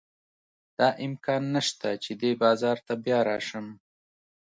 دا امکان نه شته چې دې بازار ته بیا راشم.